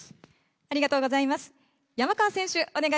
ありがとうございます。